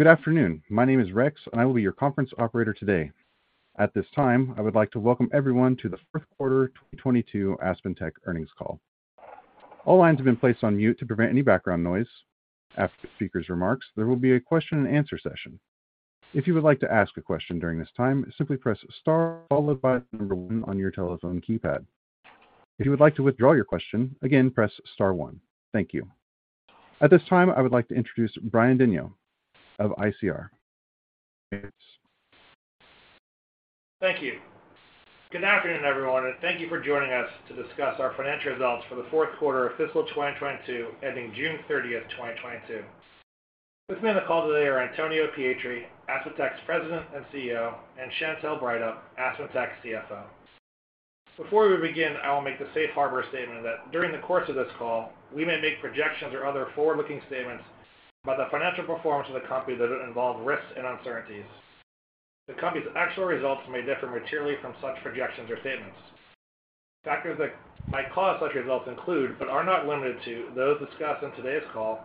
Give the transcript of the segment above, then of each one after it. Good afternoon. My name is Rex, and I will be your conference operator today. At this time, I would like to welcome everyone to the fourth quarter 2022 AspenTech earnings call. All lines have been placed on mute to prevent any background noise. After the speaker's remarks, there will be a question-and-answer session. If you would like to ask a question during this time, simply press star followed by the number one on your telephone keypad. If you would like to withdraw your question, again, press star one. Thank you. At this time, I would like to introduce Brian Denyeau of ICR. Thank you. Good afternoon, everyone, and thank you for joining us to discuss our financial results for the fourth quarter of fiscal 2022, ending June 30, 2022. With me on the call today are Antonio Pietri, AspenTech's President and CEO, and Chantelle Breithaupt, AspenTech's CFO. Before we begin, I will make the safe harbor statement that during the course of this call, we may make projections or other forward-looking statements about the financial performance of the company that involve risks and uncertainties. The company's actual results may differ materially from such projections or statements. Factors that might cause such results include, but are not limited to, those discussed on today's call,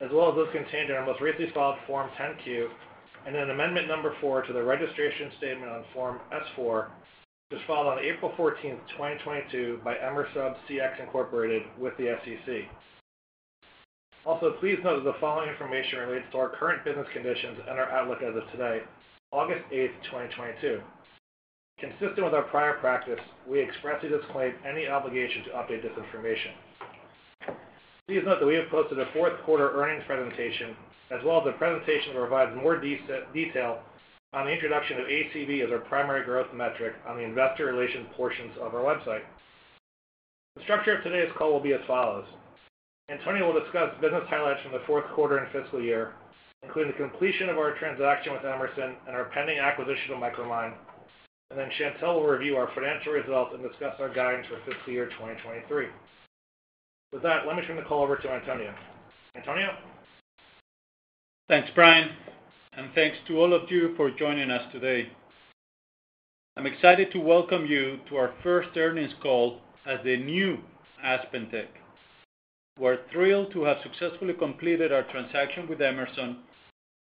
as well as those contained in our most recently filed Form 10-Q and in Amendment Number four to the registration statement on Form S-4, which was filed on April 14, 2022 by Emersub CX, Inc. with the SEC. Also, please note that the following information relates to our current business conditions and our outlook as of today, August eighth, 2022. Consistent with our prior practice, we expressly disclaim any obligation to update this information. Please note that we have posted a fourth quarter earnings presentation, as well as a presentation that provides more detail on the introduction of ACV as our primary growth metric on the investor relations portion of our website. The structure of today's call will be as follows. Antonio will discuss business highlights from the fourth quarter and fiscal year, including the completion of our transaction with Emerson and our pending acquisition of Micromine, and then Chantelle will review our financial results and discuss our guidance for fiscal year 2023. With that, let me turn the call over to Antonio. Antonio? Thanks, Brian, and thanks to all of you for joining us today. I'm excited to welcome you to our first earnings call as the new AspenTech. We're thrilled to have successfully completed our transaction with Emerson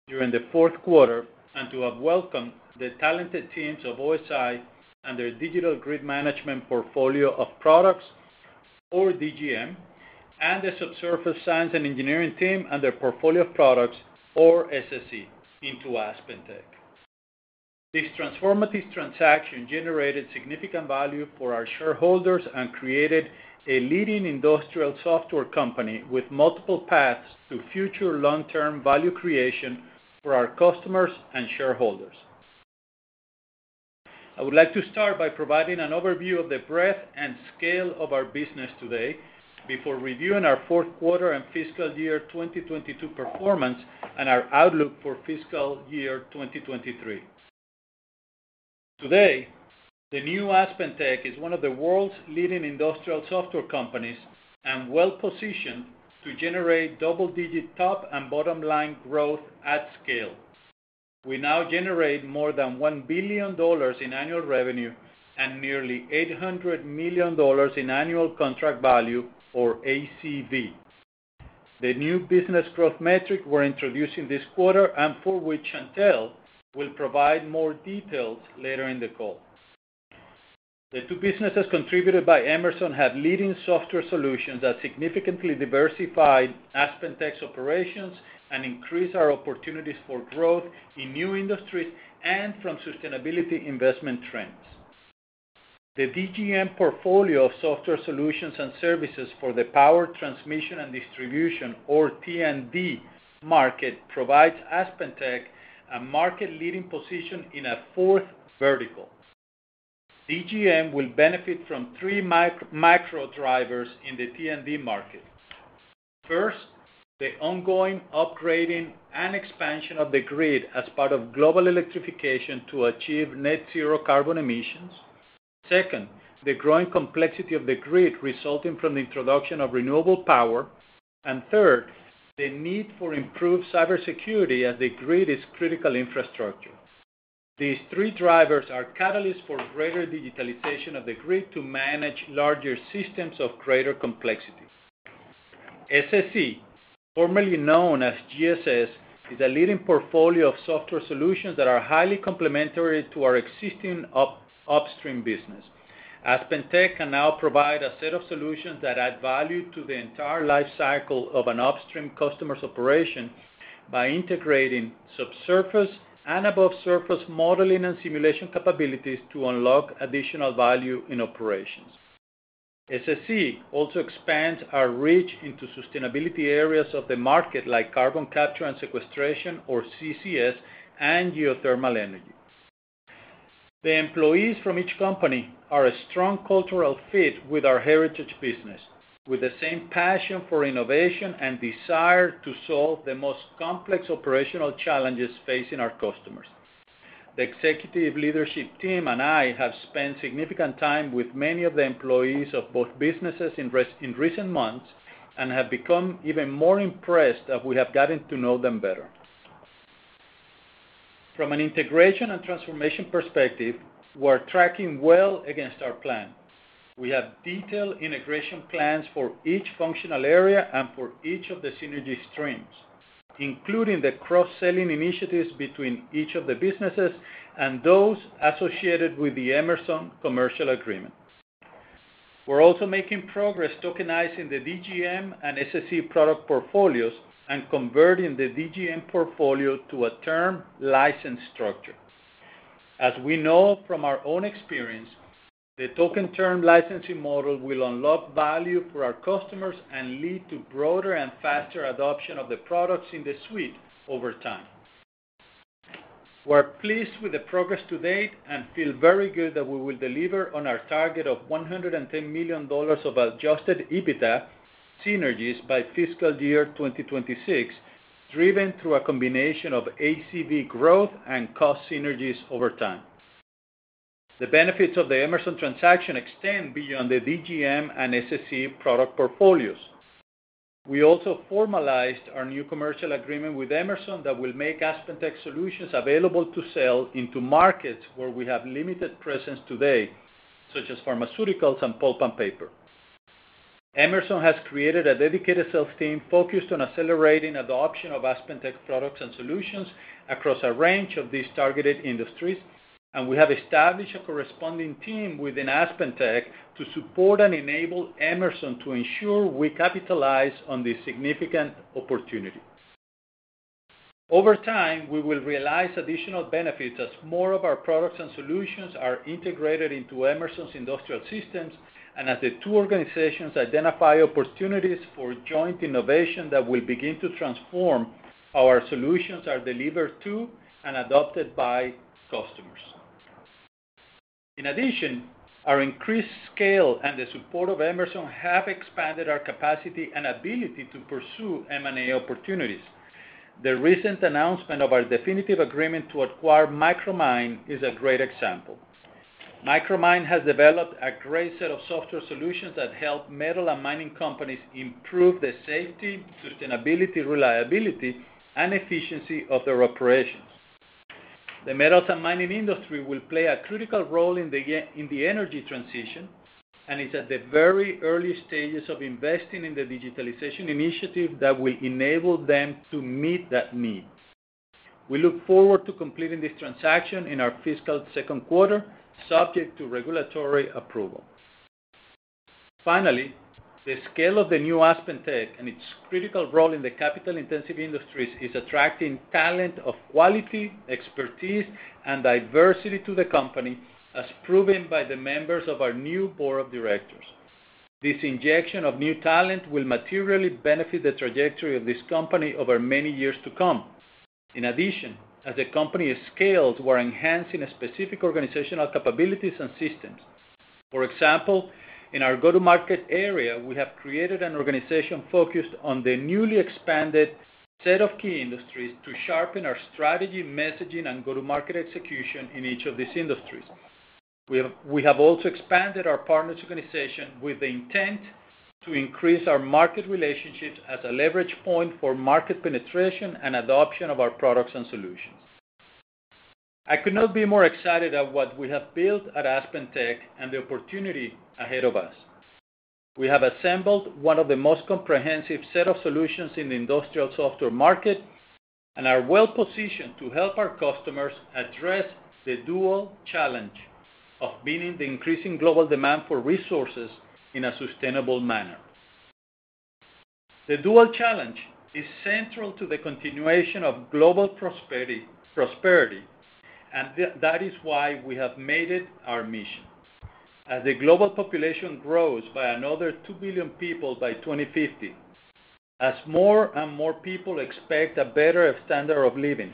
during the fourth quarter, and to have welcomed the talented teams of OSI and their Digital Grid Management portfolio of products, or DGM, and the Subsurface Science and Engineering team and their portfolio of products, or SSE, into AspenTech. This transformative transaction generated significant value for our shareholders and created a leading industrial software company with multiple paths to future long-term value creation for our customers and shareholders. I would like to start by providing an overview of the breadth and scale of our business today before reviewing our fourth quarter and fiscal year 2022 performance and our outlook for fiscal year 2023. Today, the new AspenTech is one of the world's leading industrial software companies and well-positioned to generate double-digit top and bottom-line growth at scale. We now generate more than $1 billion in annual revenue and nearly $800 million in annual contract value for ACV, the new business growth metric we're introducing this quarter and for which Chantelle will provide more details later in the call. The two businesses contributed by Emerson have leading software solutions that significantly diversify AspenTech's operations and increase our opportunities for growth in new industries and from sustainability investment trends. The DGM portfolio of software solutions and services for the Power, Transmission, and Distribution, or T&D market, provides AspenTech a market-leading position in a fourth vertical. DGM will benefit from three macro-micro drivers in the T&D market. First, the ongoing upgrading and expansion of the grid as part of global electrification to achieve net zero carbon emissions. Second, the growing complexity of the grid resulting from the introduction of renewable power. Third, the need for improved cybersecurity as the grid is critical infrastructure. These three drivers are catalysts for greater digitalization of the grid to manage larger systems of greater complexities. SSE, formerly known as GSS, is a leading portfolio of software solutions that are highly complementary to our existing Upstream business. AspenTech can now provide a set of solutions that add value to the entire life cycle of an Upstream customer's operation by integrating subsurface and above surface modeling and simulation capabilities to unlock additional value in operations. SSE also expands our reach into sustainability areas of the market like carbon capture and sequestration, or CCS, and geothermal energy. The employees from each company are a strong cultural fit with our heritage business, with the same passion for innovation and desire to solve the most complex operational challenges facing our customers. The executive leadership team and I have spent significant time with many of the employees of both businesses in recent months and have become even more impressed as we have gotten to know them better. From an integration and transformation perspective, we're tracking well against our plan. We have detailed integration plans for each functional area and for each of the synergy streams, including the cross-selling initiatives between each of the businesses and those associated with the Emerson commercial agreement. We're also making progress tokenizing the DGM and SSE product portfolios and converting the DGM portfolio to a term license structure. As we know from our own experience, the token term licensing model will unlock value for our customers and lead to broader and faster adoption of the products in the suite over time. We're pleased with the progress to date and feel very good that we will deliver on our target of $110 million of adjusted EBITDA synergies by fiscal year 2026, driven through a combination of ACV growth and cost synergies over time. The benefits of the Emerson transaction extend beyond the DGM and SSE product portfolios. We also formalized our new commercial agreement with Emerson that will make AspenTech solutions available to sell into markets where we have limited presence today, such as pharmaceuticals and pulp and paper. Emerson has created a dedicated sales team focused on accelerating adoption of AspenTech products and solutions across a range of these targeted industries, and we have established a corresponding team within AspenTech to support and enable Emerson to ensure we capitalize on this significant opportunity. Over time, we will realize additional benefits as more of our products and solutions are integrated into Emerson's industrial systems and as the two organizations identify opportunities for joint innovation that will begin to transform how our solutions are delivered to and adopted by customers. In addition, our increased scale and the support of Emerson have expanded our capacity and ability to pursue M&A opportunities. The recent announcement of our definitive agreement to acquire Micromine is a great example. Micromine has developed a great set of software solutions that help metal and mining companies improve the safety, sustainability, reliability, and efficiency of their operations. The metals and mining industry will play a critical role in the energy transition, and it's at the very early stages of investing in the digitalization initiative that will enable them to meet that need. We look forward to completing this transaction in our fiscal second quarter, subject to regulatory approval. Finally, the scale of the new AspenTech and its critical role in the capital-intensive industries is attracting talent of quality, expertise, and diversity to the company, as proven by the members of our new board of directors. This injection of new talent will materially benefit the trajectory of this company over many years to come. In addition, as the company has scaled, we're enhancing specific organizational capabilities and systems. For example, in our go-to-market area, we have created an organization focused on the newly expanded set of key industries to sharpen our strategy, messaging, and go-to-market execution in each of these industries. We have also expanded our partners organization with the intent to increase our market relationships as a leverage point for market penetration and adoption of our products and solutions. I could not be more excited at what we have built at AspenTech and the opportunity ahead of us. We have assembled one of the most comprehensive set of solutions in the industrial software market and are well-positioned to help our customers address the dual challenge of meeting the increasing global demand for resources in a sustainable manner. The dual challenge is central to the continuation of global prosperity, and that is why we have made it our mission. As the global population grows by another 2 billion people by 2050, as more and more people expect a better standard of living,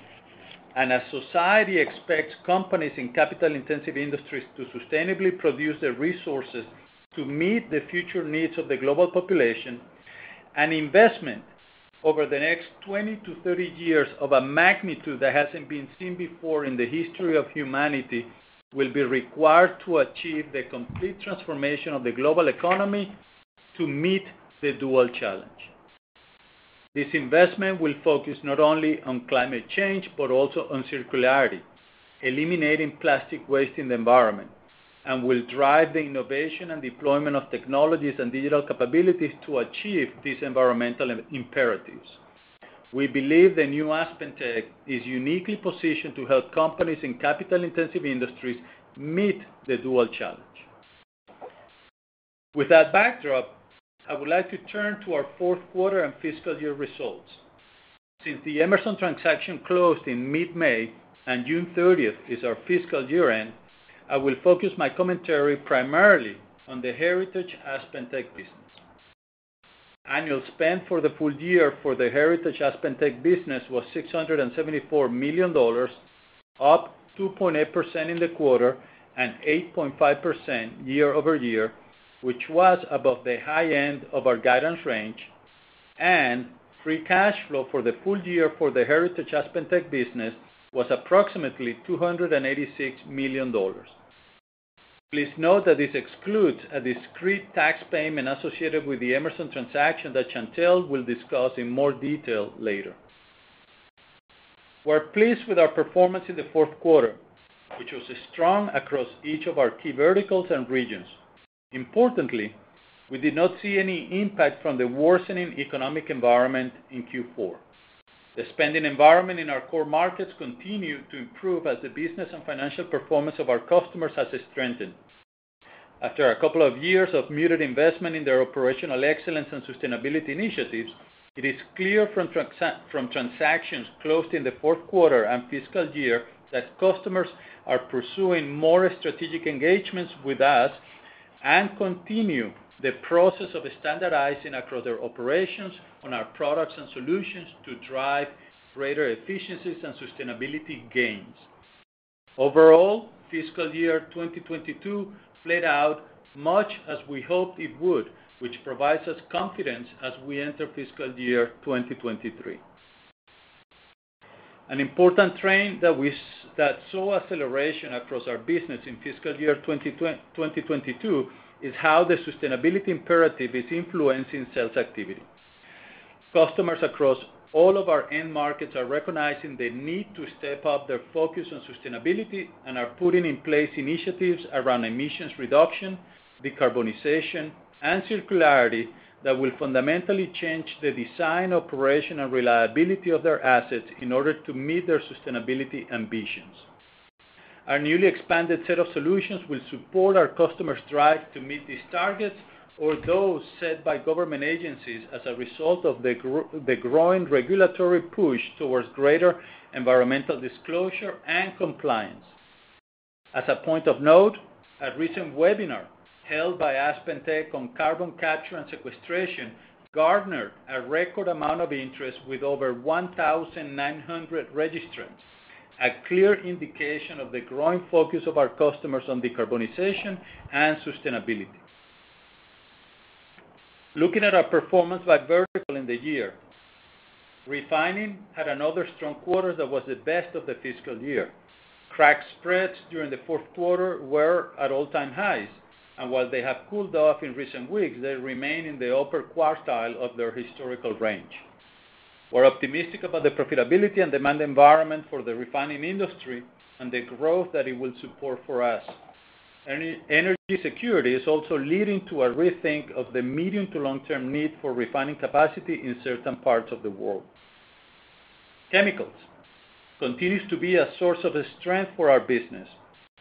and as society expects companies in capital-intensive industries to sustainably produce the resources to meet the future needs of the global population, an investment over the next 20-30 years of a magnitude that hasn't been seen before in the history of humanity will be required to achieve the complete transformation of the global economy to meet the dual challenge. This investment will focus not only on climate change, but also on circularity, eliminating plastic waste in the environment, and will drive the innovation and deployment of technologies and digital capabilities to achieve these environmental imperatives. We believe the new AspenTech is uniquely positioned to help companies in capital-intensive industries meet the dual challenge. With that backdrop, I would like to turn to our fourth quarter and fiscal year results. Since the Emerson transaction closed in mid-May and June 30 is our fiscal year-end, I will focus my commentary primarily on the Heritage AspenTech business. Annual spend for the full year for the Heritage AspenTech business was $674 million, up 2.8% in the quarter and 8.5% year-over-year, which was above the high end of our guidance range. Free cash flow for the full year for the Heritage AspenTech business was approximately $286 million. Please note that this excludes a discrete tax payment associated with the Emerson transaction that Chantelle will discuss in more detail later. We're pleased with our performance in the fourth quarter, which was strong across each of our key verticals and regions. Importantly, we did not see any impact from the worsening economic environment in Q4. The spending environment in our core markets continued to improve as the business and financial performance of our customers has strengthened. After a couple of years of muted investment in their operational excellence and sustainability initiatives, it is clear from transactions closed in the fourth quarter and fiscal year that customers are pursuing more strategic engagements with us and continue the process of standardizing across their operations on our products and solutions to drive greater efficiencies and sustainability gains. Overall, fiscal year 2022 played out much as we hoped it would, which provides us confidence as we enter fiscal year 2023. An important trend that saw acceleration across our business in fiscal year 2022 is how the sustainability imperative is influencing sales activity. Customers across all of our end markets are recognizing the need to step up their focus on sustainability and are putting in place initiatives around emissions reduction, decarbonization, and circularity that will fundamentally change the design, operation, and reliability of their assets in order to meet their sustainability ambitions. Our newly expanded set of solutions will support our customers' drive to meet these targets or those set by government agencies as a result of the growing regulatory push towards greater environmental disclosure and compliance. As a point of note, a recent webinar held by AspenTech on carbon capture and sequestration garnered a record amount of interest with over 1,900 registrants, a clear indication of the growing focus of our customers on decarbonization and sustainability. Looking at our performance by vertical in the year. Refining had another strong quarter that was the best of the fiscal year. Crack spreads during the fourth quarter were at all-time highs, and while they have cooled off in recent weeks, they remain in the upper quartile of their historical range. We're optimistic about the profitability and demand environment for the refining industry and the growth that it will support for us. Energy security is also leading to a rethink of the medium to long-term need for refining capacity in certain parts of the world. Chemicals continues to be a source of strength for our business.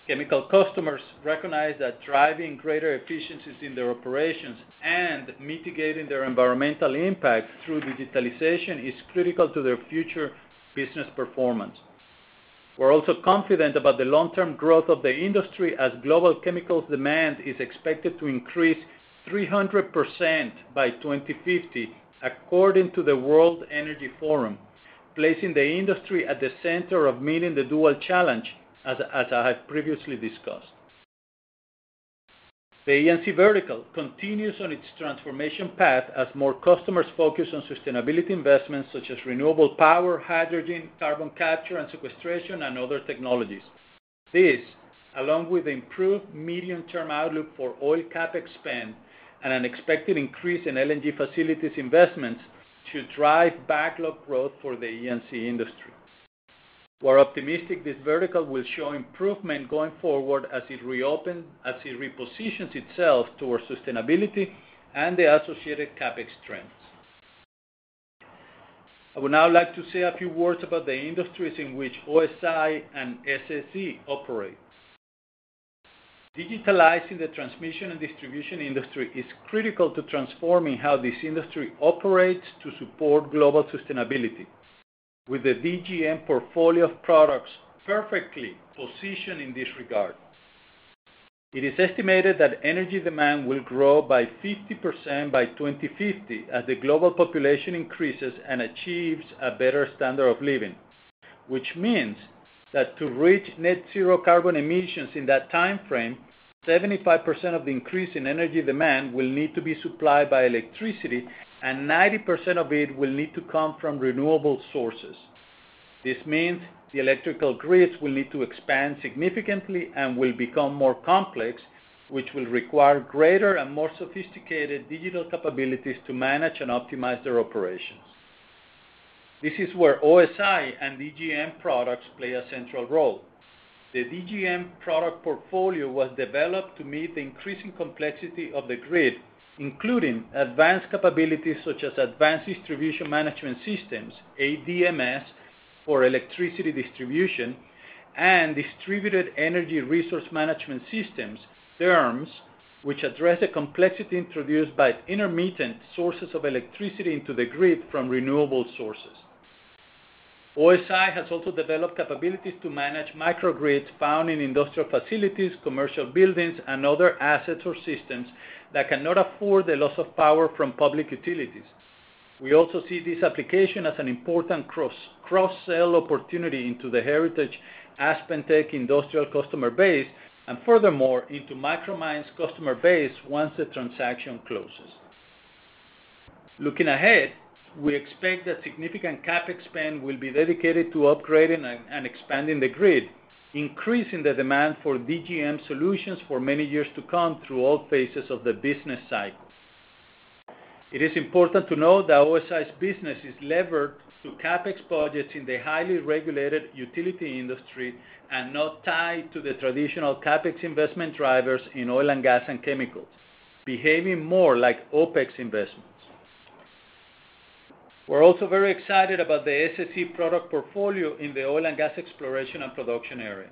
Chemical customers recognize that driving greater efficiencies in their operations and mitigating their environmental impact through digitalization is critical to their future business performance. We're also confident about the long-term growth of the industry as global chemicals demand is expected to increase 300% by 2050, according to the World Economic Forum, placing the industry at the center of meeting the dual challenge, as I have previously discussed. The E&C vertical continues on its transformation path as more customers focus on sustainability investments such as renewable power, hydrogen, carbon capture and sequestration, and other technologies. This, along with improved medium-term outlook for oil CapEx spend and an expected increase in LNG facilities investments to drive backlog growth for the E&C industry. We're optimistic this vertical will show improvement going forward as it repositions itself towards sustainability and the associated CapEx trends. I would now like to say a few words about the industries in which OSI and SSE operate. Digitalizing the transmission and distribution industry is critical to transforming how this industry operates to support global sustainability. With the DGM portfolio of products perfectly positioned in this regard. It is estimated that energy demand will grow by 50% by 2050 as the global population increases and achieves a better standard of living. Which means that to reach net zero carbon emissions in that timeframe, 75% of the increase in energy demand will need to be supplied by electricity, and 90% of it will need to come from renewable sources. This means the electrical grids will need to expand significantly and will become more complex, which will require greater and more sophisticated digital capabilities to manage and optimize their operations. This is where OSI and DGM products play a central role. The DGM product portfolio was developed to meet the increasing complexity of the grid, including advanced capabilities such as advanced distribution management systems, ADMS, for electricity distribution and distributed energy resource management systems, DERMS, which address the complexity introduced by intermittent sources of electricity into the grid from renewable sources. OSI has also developed capabilities to manage microgrids found in industrial facilities, commercial buildings, and other assets or systems that cannot afford the loss of power from public utilities. We also see this application as an important cross-sell opportunity into the heritage AspenTech industrial customer base and furthermore, into Micromine's customer base once the transaction closes. Looking ahead, we expect that significant CapEx spend will be dedicated to upgrading and expanding the grid, increasing the demand for DGM solutions for many years to come through all phases of the business cycle. It is important to note that OSI's business is levered to CapEx budgets in the highly regulated utility industry and not tied to the traditional CapEx investment drivers in oil and gas and chemicals, behaving more like OpEx investments. We're also very excited about the SSE product portfolio in the oil and gas exploration and production area.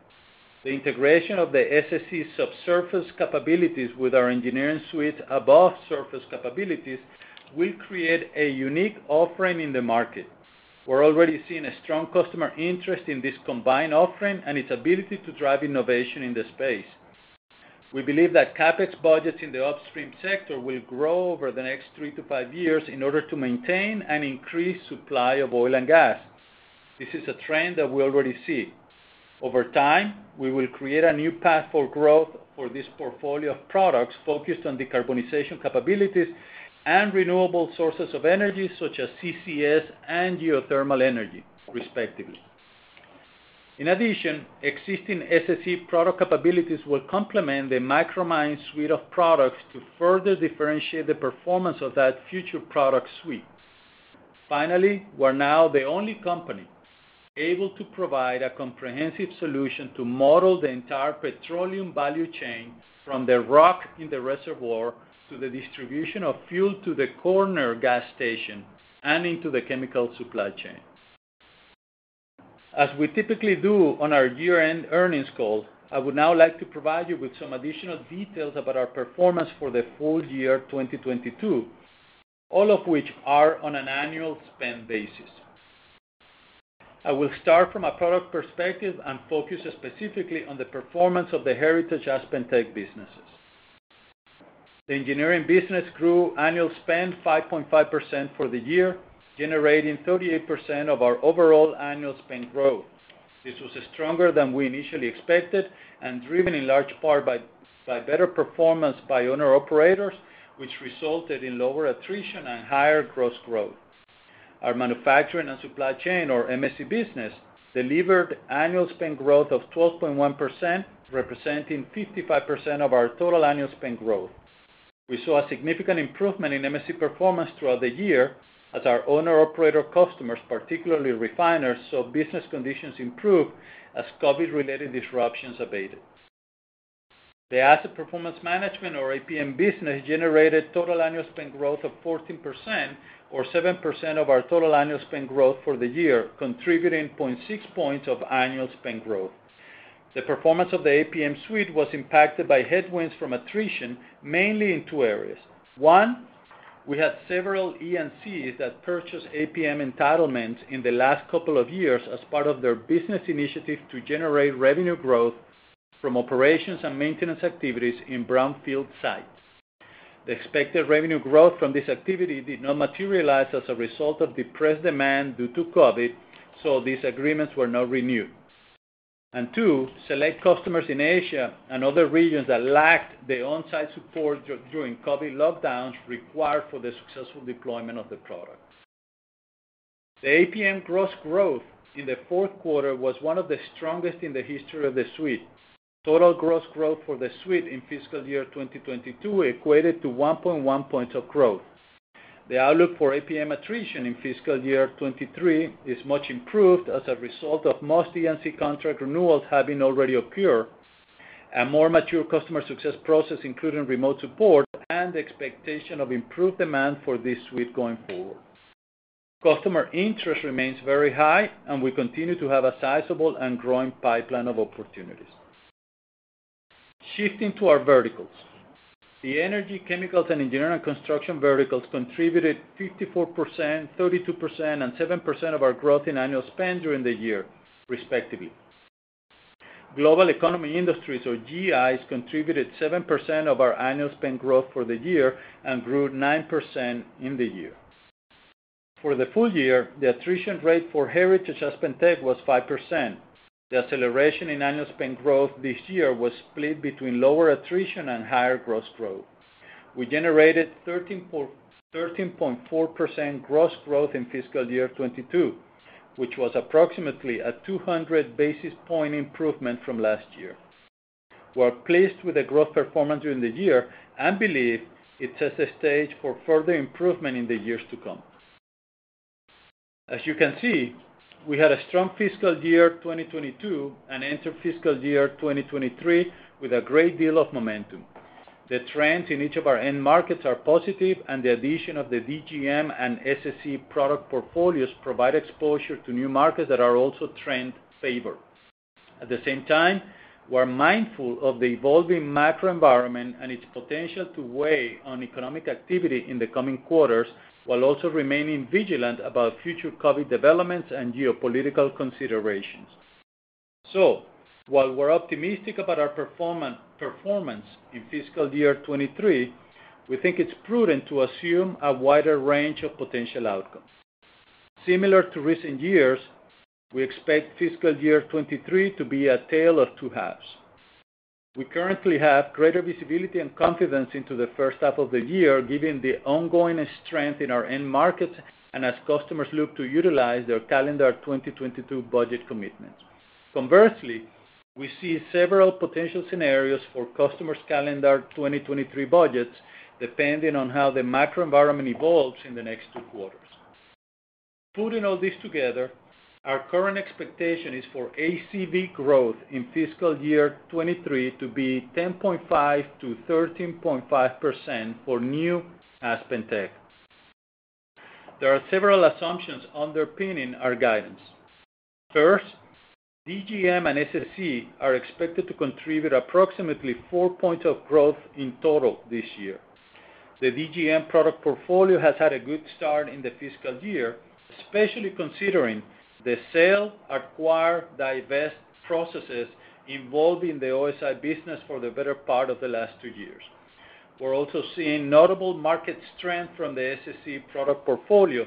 The integration of the SSE subsurface capabilities with our engineering suite above surface capabilities will create a unique offering in the market. We're already seeing a strong customer interest in this combined offering and its ability to drive innovation in the space. We believe that CapEx budgets in the Upstream sector will grow over the next three to five years in order to maintain an increased supply of oil and gas. This is a trend that we already see. Over time, we will create a new path for growth for this portfolio of products focused on decarbonization capabilities and renewable sources of energy, such as CCS and geothermal energy, respectively. In addition, existing SSE product capabilities will complement the Micromine suite of products to further differentiate the performance of that future product suite. Finally, we're now the only company able to provide a comprehensive solution to model the entire petroleum value chain from the rock in the reservoir to the distribution of fuel to the corner gas station and into the chemical supply chain. As we typically do on our year-end earnings call, I would now like to provide you with some additional details about our performance for the full year 2022, all of which are on an annual spend basis. I will start from a product perspective and focus specifically on the performance of the Heritage AspenTech businesses. The engineering business grew annual spend 5.5% for the year, generating 38% of our overall annual spend growth. This was stronger than we initially expected and driven in large part by better performance by owner-operators, which resulted in lower attrition and higher gross growth. Our manufacturing and supply chain, or MSC business, delivered annual spend growth of 12.1%, representing 55% of our total annual spend growth. We saw a significant improvement in MSC performance throughout the year as our owner-operator customers, particularly refiners, saw business conditions improve as COVID-related disruptions abated. The Asset Performance Management, or APM business, generated total annual spend growth of 14% or 7% of our total annual spend growth for the year, contributing 0.6 points of annual spend growth. The performance of the APM suite was impacted by headwinds from attrition, mainly in two areas. One, we had several EPCs that purchased APM entitlements in the last couple of years as part of their business initiative to generate revenue growth from operations and maintenance activities in brownfield sites. The expected revenue growth from this activity did not materialize as a result of depressed demand due to COVID, so these agreements were not renewed. Two, select customers in Asia and other regions that lacked the on-site support during COVID lockdowns required for the successful deployment of the products. The APM gross growth in the fourth quarter was one of the strongest in the history of the suite. Total gross growth for the suite in fiscal year 2022 equated to 1.1 points of growth. The outlook for APM attrition in fiscal year 2023 is much improved as a result of most EMC contract renewals having already occurred, a more mature customer success process, including remote support and the expectation of improved demand for this suite going forward. Customer interest remains very high, and we continue to have a sizable and growing pipeline of opportunities. Shifting to our verticals. The energy, chemicals, and engineering construction verticals contributed 54%, 32%, and 7% of our growth in annual spend during the year, respectively. Global Economy Industries, or GEIs, contributed 7% of our annual spend growth for the year and grew 9% in the year. For the full year, the attrition rate for Heritage AspenTech was 5%. The acceleration in annual spend growth this year was split between lower attrition and higher gross growth. We generated 13.4% gross growth in fiscal year 2022, which was approximately a 200 basis point improvement from last year. We're pleased with the growth performance during the year and believe it sets the stage for further improvement in the years to come. As you can see, we had a strong fiscal year 2022 and entered fiscal year 2023 with a great deal of momentum. The trends in each of our end markets are positive and the addition of the DGM and SSE product portfolios provide exposure to new markets that are also trend favored. At the same time, we're mindful of the evolving macro environment and its potential to weigh on economic activity in the coming quarters, while also remaining vigilant about future COVID developments and geopolitical considerations. While we're optimistic about our performance in fiscal year 2023, we think it's prudent to assume a wider range of potential outcomes. Similar to recent years, we expect fiscal year 2023 to be a tale of two halves. We currently have greater visibility and confidence into the first half of the year, given the ongoing strength in our end markets and as customers look to utilize their calendar 2022 budget commitments. Conversely, we see several potential scenarios for customers' calendar 2023 budgets, depending on how the macro environment evolves in the next two quarters. Putting all this together, our current expectation is for ACV growth in fiscal year 2023 to be 10.5%-13.5% for new AspenTech. There are several assumptions underpinning our guidance. First, DGM and SSE are expected to contribute approximately four points of growth in total this year. The DGM product portfolio has had a good start in the fiscal year, especially considering the sale, acquire, divest processes involved in the OSI business for the better part of the last two years. We're also seeing notable market strength from the SSE product portfolio,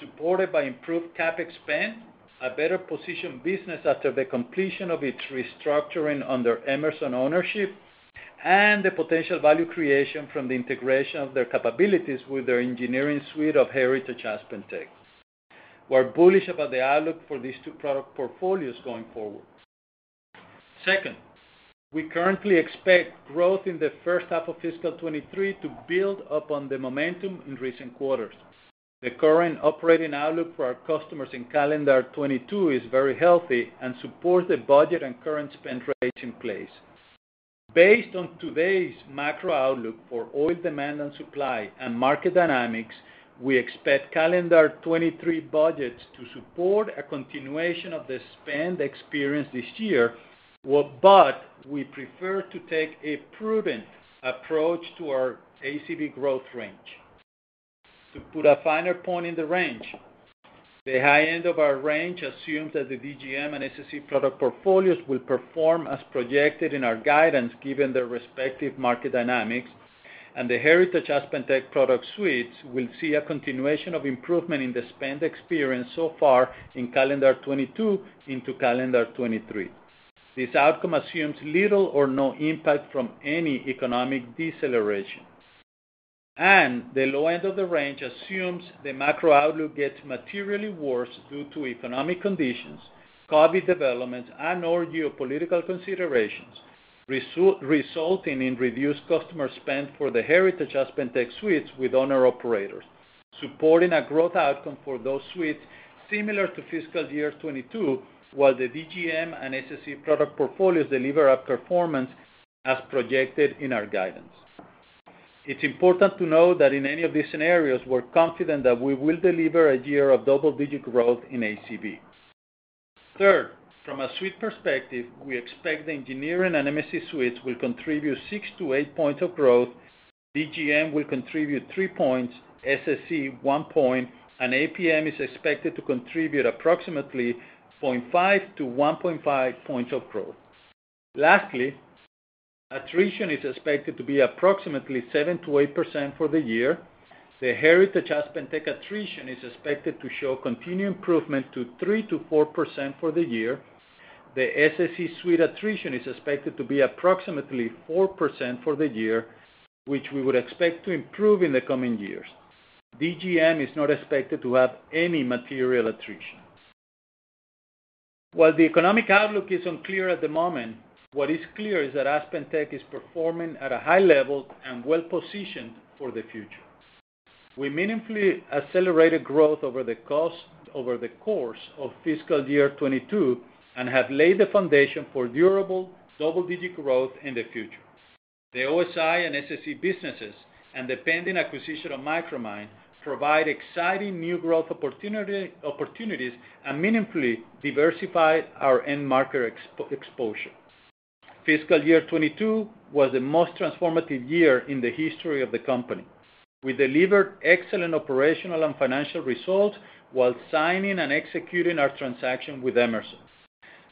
supported by improved CapEx spend, a better positioned business after the completion of its restructuring under Emerson ownership, and the potential value creation from the integration of their capabilities with their engineering suite of Heritage AspenTech. We're bullish about the outlook for these two product portfolios going forward. Second, we currently expect growth in the first half of fiscal 2023 to build upon the momentum in recent quarters. The current operating outlook for our customers in calendar 2022 is very healthy and supports the budget and current spend rates in place. Based on today's macro outlook for oil demand and supply and market dynamics, we expect calendar 2023 budgets to support a continuation of the spend experience this year. Well, but we prefer to take a prudent approach to our ACV growth range. To put a finer point in the range, the high end of our range assumes that the DGM and SSE product portfolios will perform as projected in our guidance given their respective market dynamics, and the heritage AspenTech product suites will see a continuation of improvement in the spend experience so far in calendar 2022 into calendar 2023. This outcome assumes little or no impact from any economic deceleration. The low end of the range assumes the macro outlook gets materially worse due to economic conditions, COVID developments, and/or geopolitical considerations, resulting in reduced customer spend for the heritage AspenTech suites with owner/operators, supporting a growth outcome for those suites similar to fiscal year 2022, while the DGM and SSE product portfolios deliver outperformance as projected in our guidance. It's important to note that in any of these scenarios, we're confident that we will deliver a year of double-digit growth in ACV. Third, from a suite perspective, we expect the engineering and MSC suites will contribute six to eight points of growth. DGM will contribute three points, SSE one point, and APM is expected to contribute approximately 0.5-1.5 points of growth. Lastly, attrition is expected to be approximately 7%-8% for the year. The heritage AspenTech attrition is expected to show continued improvement to 3%-4% for the year. The SSE suite attrition is expected to be approximately 4% for the year, which we would expect to improve in the coming years. DGM is not expected to have any material attrition. While the economic outlook is unclear at the moment, what is clear is that AspenTech is performing at a high level and well-positioned for the future. We meaningfully accelerated growth over the course of fiscal year 2022 and have laid the foundation for durable double-digit growth in the future. The OSI and SSE businesses and the pending acquisition of Micromine provide exciting new growth opportunities and meaningfully diversify our end market exposure. Fiscal year 2022 was the most transformative year in the history of the company. We delivered excellent operational and financial results while signing and executing our transaction with Emerson.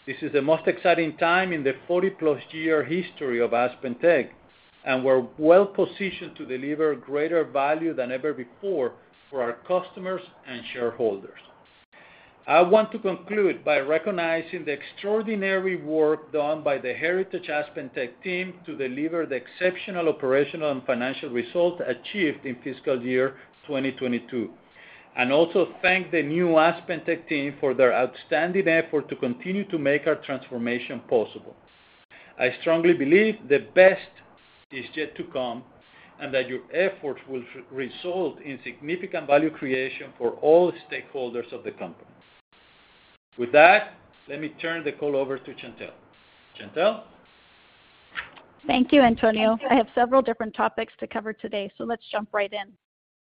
This is the most exciting time in the 40-plus year history of AspenTech, and we're well positioned to deliver greater value than ever before for our customers and shareholders. I want to conclude by recognizing the extraordinary work done by the heritage AspenTech team to deliver the exceptional operational and financial results achieved in fiscal year 2022. Also thank the new AspenTech team for their outstanding effort to continue to make our transformation possible. I strongly believe the best is yet to come, and that your efforts will result in significant value creation for all stakeholders of the company. With that, let me turn the call over to Chantelle. Chantelle? Thank you, Antonio. I have several different topics to cover today, so let's jump right in.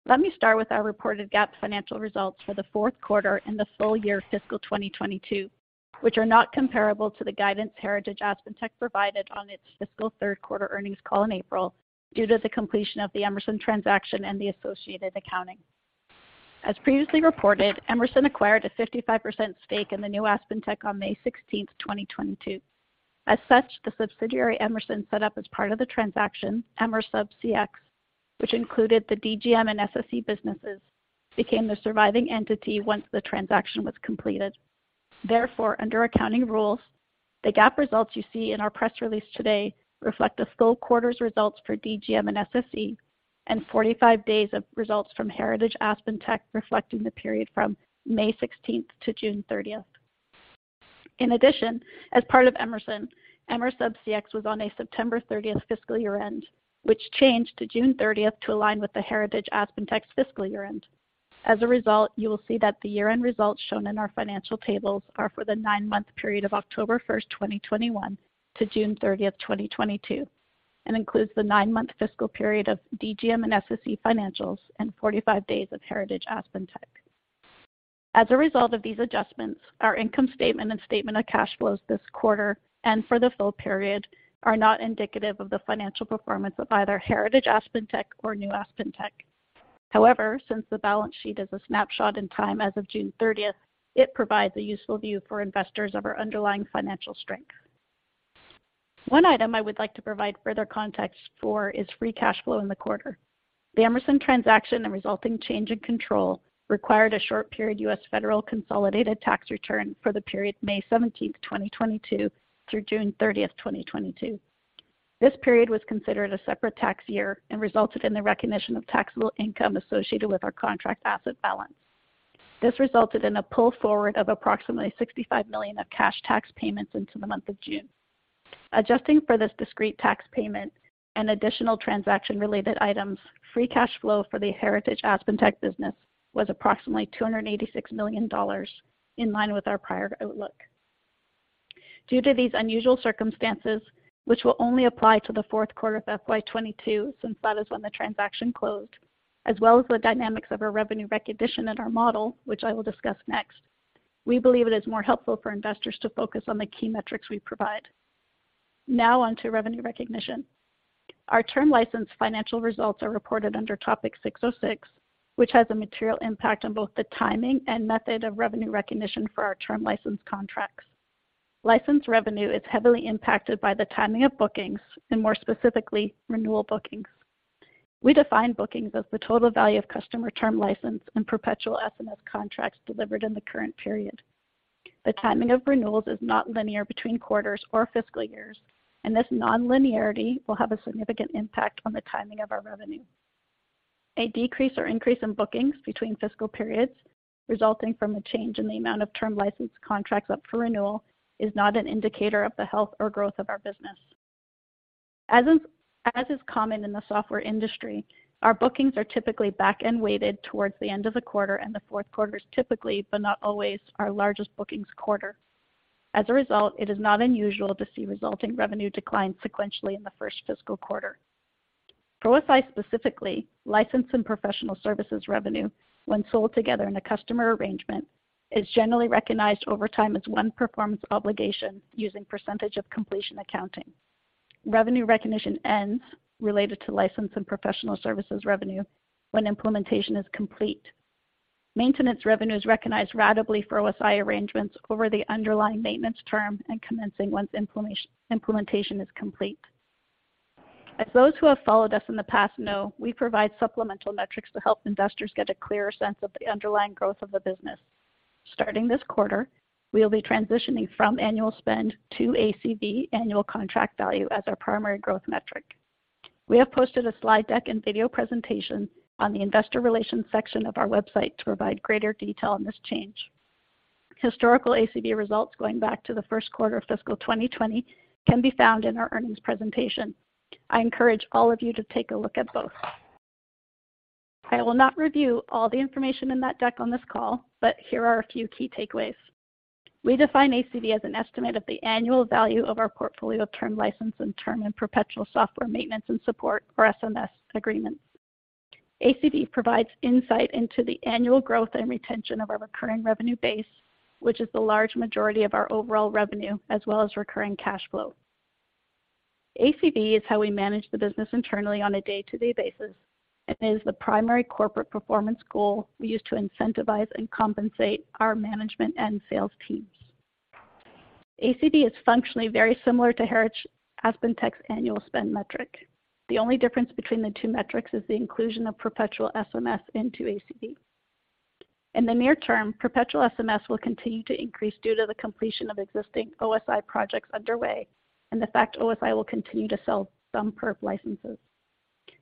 Let me start with our reported GAAP financial results for the fourth quarter and the full year fiscal 2022, which are not comparable to the guidance Heritage AspenTech provided on its fiscal third quarter earnings call in April due to the completion of the Emerson transaction and the associated accounting. As previously reported, Emerson acquired a 55% stake in the new AspenTech on May 16, 2022. As such, the subsidiary Emerson set up as part of the transaction, Emersub CX, which included the DGM and SSE businesses, became the surviving entity once the transaction was completed. Therefore, under accounting rules, the GAAP results you see in our press release today reflect the full quarter's results for DGM and SSE, and 45 days of results from Heritage AspenTech, reflecting the period from May 16-June 30. In addition, as part of Emerson, Emersub CX was on a September 30 fiscal year-end, which changed to June 30 to align with the Heritage AspenTech's fiscal year-end. As a result, you will see that the year-end results shown in our financial tables are for the nine-month period of October 1, 2021 to June 30, 2022, and includes the nine-month fiscal period of DGM and SSE financials and 45 days of Heritage AspenTech. As a result of these adjustments, our income statement and statement of cash flows this quarter and for the full period are not indicative of the financial performance of either Heritage AspenTech or New AspenTech. However, since the balance sheet is a snapshot in time as of June 30, it provides a useful view for investors of our underlying financial strength. One item I would like to provide further context for is Free Cash Flow in the quarter. The Emerson transaction and resulting change in control required a short period U.S. Federal consolidated tax return for the period May 17, 2022 through June 30, 2022. This period was considered a separate tax year and resulted in the recognition of taxable income associated with our contract asset balance. This resulted in a pull forward of approximately $65 million of cash tax payments into the month of June. Adjusting for this discrete tax payment and additional transaction-related items, Free Cash Flow for the Heritage AspenTech business was approximately $286 million, in line with our prior outlook. Due to these unusual circumstances, which will only apply to the fourth quarter of FY 2022, since that is when the transaction closed, as well as the dynamics of our revenue recognition in our model, which I will discuss next, we believe it is more helpful for investors to focus on the key metrics we provide. Now on to revenue recognition. Our term license financial results are reported under ASC 606, which has a material impact on both the timing and method of revenue recognition for our term license contracts. License revenue is heavily impacted by the timing of bookings and more specifically, renewal bookings. We define bookings as the total value of customer term license and perpetual SMS contracts delivered in the current period. The timing of renewals is not linear between quarters or fiscal years, and this non-linearity will have a significant impact on the timing of our revenue. A decrease or increase in bookings between fiscal periods resulting from a change in the amount of term license contracts up for renewal is not an indicator of the health or growth of our business. As is common in the software industry, our bookings are typically back-end weighted towards the end of the quarter, and the fourth quarter is typically, but not always, our largest bookings quarter. As a result, it is not unusual to see resulting revenue decline sequentially in the first fiscal quarter. OSI specifically, license and professional services revenue when sold together in a customer arrangement, is generally recognized over time as one performance obligation using percentage of completion accounting. Revenue recognition ends related to license and professional services revenue when implementation is complete. Maintenance revenue is recognized ratably for OSI arrangements over the underlying maintenance term and commencing once implementation is complete. As those who have followed us in the past know, we provide supplemental metrics to help investors get a clearer sense of the underlying growth of the business. Starting this quarter, we will be transitioning from annual spend to ACV, annual contract value, as our primary growth metric. We have posted a slide deck and video presentation on the investor relations section of our website to provide greater detail on this change. Historical ACV results going back to the first quarter of fiscal 2020 can be found in our earnings presentation. I encourage all of you to take a look at both. I will not review all the information in that deck on this call, but here are a few key takeaways. We define ACV as an estimate of the annual value of our portfolio of term license and term and perpetual software maintenance and support, or SMS, agreements. ACV provides insight into the annual growth and retention of our recurring revenue base, which is the large majority of our overall revenue, as well as recurring cash flow. ACV is how we manage the business internally on a day-to-day basis, and is the primary corporate performance goal we use to incentivize and compensate our management and sales teams. ACV is functionally very similar to Heritage AspenTech's annual spend metric. The only difference between the two metrics is the inclusion of perpetual SMS into ACV. In the near term, perpetual SMS will continue to increase due to the completion of existing OSI projects underway and the fact OSI will continue to sell some perp licenses.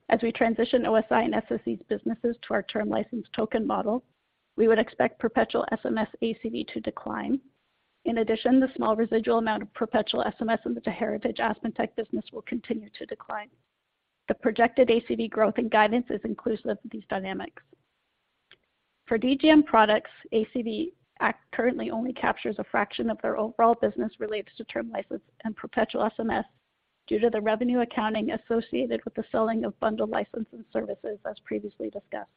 As we transition OSI and SSE's businesses to our term license token model, we would expect perpetual SMS ACV to decline. In addition, the small residual amount of perpetual SMS in the Heritage AspenTech business will continue to decline. The projected ACV growth and guidance is inclusive of these dynamics. For DGM products, ACV currently only captures a fraction of their overall business related to term license and perpetual SMS due to the revenue accounting associated with the selling of bundled license and services as previously discussed.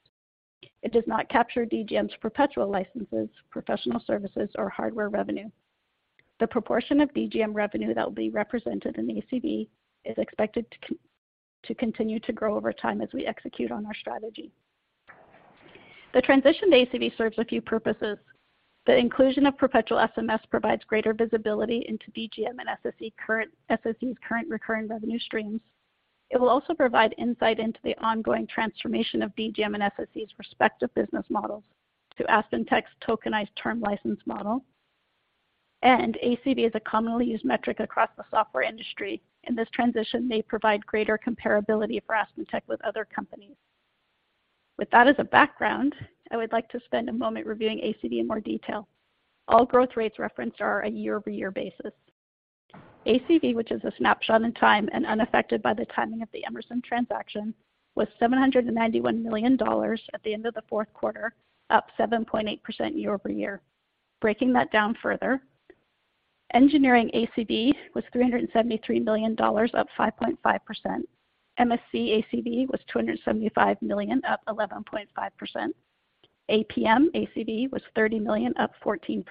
It does not capture DGM's perpetual licenses, professional services, or hardware revenue. The proportion of DGM revenue that will be represented in ACV is expected to continue to grow over time as we execute on our strategy. The transition to ACV serves a few purposes. The inclusion of perpetual SMS provides greater visibility into DGM and SSE's current recurring revenue streams. It will also provide insight into the ongoing transformation of DGM and SSE's respective business models to AspenTech's tokenized term license model. ACV is a commonly used metric across the software industry, and this transition may provide greater comparability for AspenTech with other companies. With that as a background, I would like to spend a moment reviewing ACV in more detail. All growth rates referenced are a year-over-year basis. ACV, which is a snapshot in time and unaffected by the timing of the Emerson transaction, was $791 million at the end of the fourth quarter, up 7.8% year-over-year. Breaking that down further, engineering ACV was $373 million, up 5.5%. MSC ACV was $275 million, up 11.5%. APM ACV was $30 million, up 14%.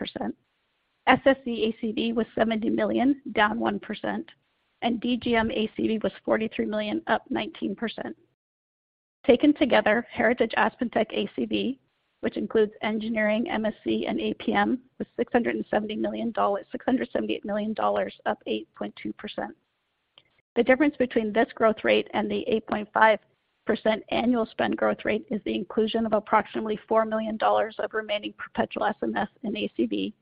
SSE ACV was $70 million, down 1%. DGM ACV was $43 million, up 19%. Taken together, Heritage AspenTech ACV, which includes engineering, MSC, and APM, was $678 million, up 8.2%. The difference between this growth rate and the 8.5% annual spend growth rate is the inclusion of approximately $4 million of remaining perpetual SMS in ACV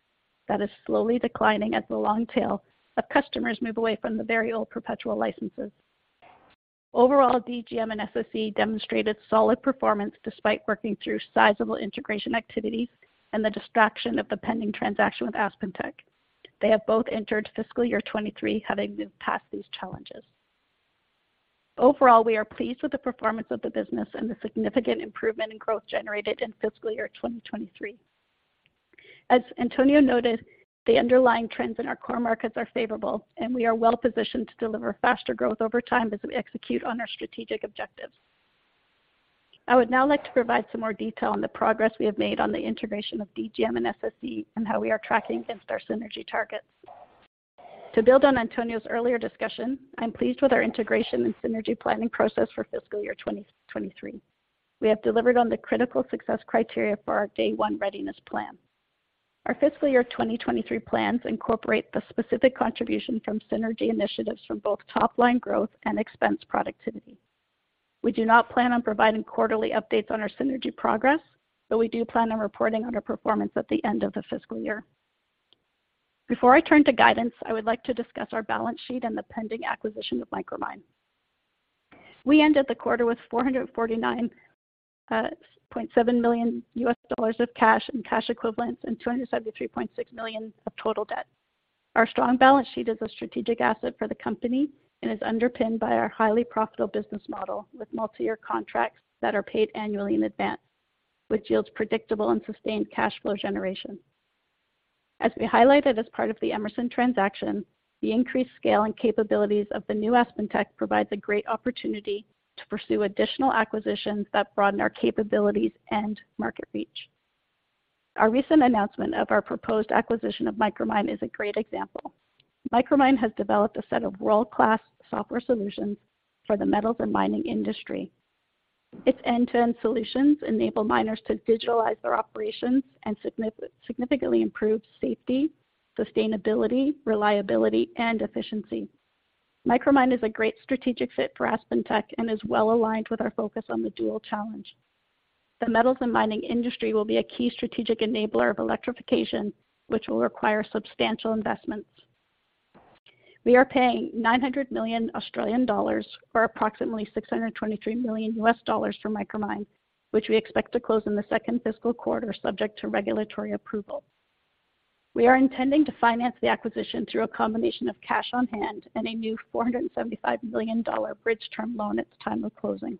that is slowly declining at the long tail of customers move away from the very old perpetual licenses. Overall, DGM and SSE demonstrated solid performance despite working through sizable integration activities and the distraction of the pending transaction with AspenTech. They have both entered fiscal year 2023 having moved past these challenges. Overall, we are pleased with the performance of the business and the significant improvement in growth generated in fiscal year 2023. As Antonio noted, the underlying trends in our core markets are favorable, and we are well positioned to deliver faster growth over time as we execute on our strategic objectives. I would now like to provide some more detail on the progress we have made on the integration of DGM and SSE and how we are tracking against our synergy targets. To build on Antonio's earlier discussion, I'm pleased with our integration and synergy planning process for fiscal year 2023. We have delivered on the critical success criteria for our day one readiness plan. Our fiscal year 2023 plans incorporate the specific contribution from synergy initiatives from both top-line growth and expense productivity. We do not plan on providing quarterly updates on our synergy progress, but we do plan on reporting on our performance at the end of the fiscal year. Before I turn to guidance, I would like to discuss our balance sheet and the pending acquisition of Micromine. We ended the quarter with $449.7 million of cash and cash equivalents and $273.6 million of total debt. Our strong balance sheet is a strategic asset for the company and is underpinned by our highly profitable business model with multi-year contracts that are paid annually in advance, which yields predictable and sustained cash flow generation. As we highlighted as part of the Emerson transaction, the increased scale and capabilities of the new AspenTech provides a great opportunity to pursue additional acquisitions that broaden our capabilities and market reach. Our recent announcement of our proposed acquisition of Micromine is a great example. Micromine has developed a set of world-class software solutions for the metals and mining industry. Its end-to-end solutions enable miners to digitalize their operations and significantly improve safety, sustainability, reliability, and efficiency. Micromine is a great strategic fit for AspenTech and is well aligned with our focus on the dual challenge. The metals and mining industry will be a key strategic enabler of electrification, which will require substantial investments. We are paying 900 million Australian dollars, or approximately $623 million for Micromine, which we expect to close in the second fiscal quarter, subject to regulatory approval. We are intending to finance the acquisition through a combination of cash on hand and a new $475 million bridge term loan at the time of closing.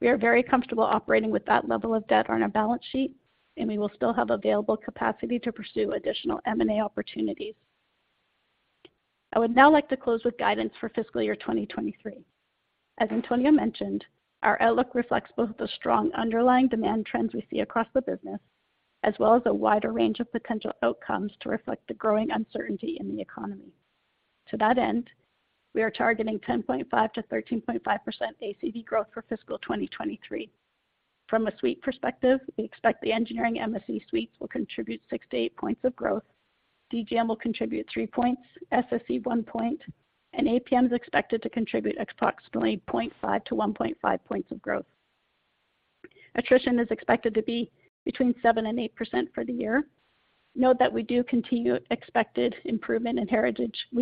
We are very comfortable operating with that level of debt on our balance sheet, and we will still have available capacity to pursue additional M&A opportunities. I would now like to close with guidance for fiscal year 2023. As Antonio mentioned, our outlook reflects both the strong underlying demand trends we see across the business, as well as a wider range of potential outcomes to reflect the growing uncertainty in the economy. To that end, we are targeting 10.5%-13.5% ACV growth for fiscal 2023. From a suite perspective, we expect the engineering MSC suites will contribute six to eight points of growth. DGM will contribute three points, SSE one point, and APM is expected to contribute approximately 0.5-1.5 points of growth. Attrition is expected to be between 7%-8% for the year. We